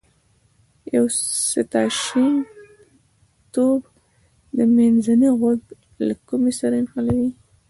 یو ستاشین تیوب منځنی غوږ له کومې سره نښلوي.